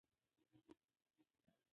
ملکیار بابا د عشق شپه جوړه کړې ده.